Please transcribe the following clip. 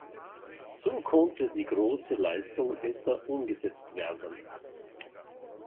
So konnte die große Leistung besser umgesetzt werden.